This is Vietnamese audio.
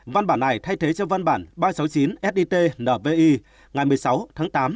văn bản này thay thế cho văn bản ba trăm sáu mươi chín sdit nvi ngày một mươi sáu tháng tám